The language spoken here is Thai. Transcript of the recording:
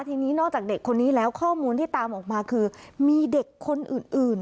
ทีนี้นอกจากเด็กคนนี้แล้วข้อมูลที่ตามออกมาคือมีเด็กคนอื่น